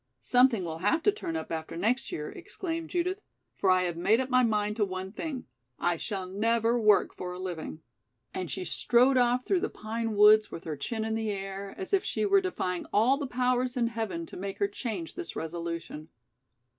"Something will have to turn up after next year," exclaimed Judith, "for I have made up my mind to one thing. I shall never work for a living." And she strode off through the pine woods with her chin in the air, as if she were defying all the powers in heaven to make her change this resolution.